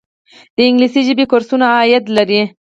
د انګلیسي ژبې کورسونه عاید لري؟